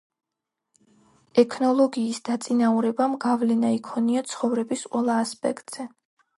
ექნოლოგიის დაწინაურებამ გავლენა იქონია ცხოვრების ყველა ასპექტზე